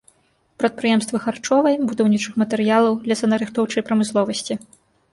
Прадпрыемствы харчовай, будаўнічых матэрыялаў, лесанарыхтоўчай прамысловасці.